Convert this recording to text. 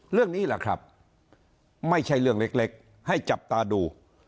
เรื่องนี้แหละครับไม่ใช่เรื่องเล็กให้จับตาดู